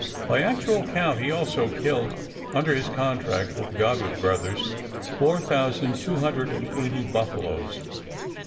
By actual count he also killed under his contract with the Goddard Brothers, four thousand two hundred and eighty buffaloes.